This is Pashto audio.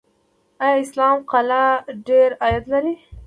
آیا اسلام قلعه ډیر عاید لري؟